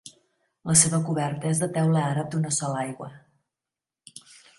La seva coberta és de teula àrab d'una sola aigua.